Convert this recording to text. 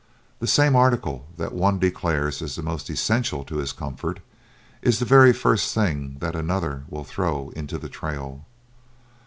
The same article that one declares is the most essential to his comfort, is the very first thing that another will throw into the trail.